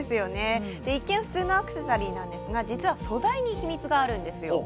一見、普通のアクセサリーなんですが、実は素材に秘密があるんですよ。